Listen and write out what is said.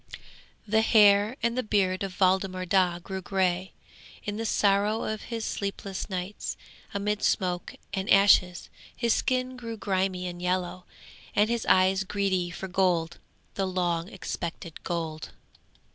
'The hair and the beard of Waldemar Daa grew grey, in the sorrow of his sleepless nights, amid smoke and ashes. His skin grew grimy and yellow, and his eyes greedy for gold, the long expected gold.